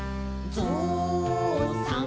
「ぞうさん